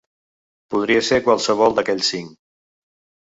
Podria ser qualsevol d’aquells cinc.